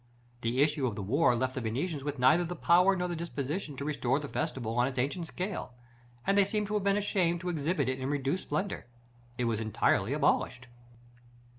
The issue of the war left the Venetians with neither the power nor the disposition to restore the festival on its ancient scale, and they seem to have been ashamed to exhibit it in reduced splendor. It was entirely abolished.